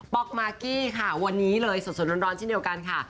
อกมากกี้ค่ะวันนี้เลยสดร้อนเช่นเดียวกันค่ะ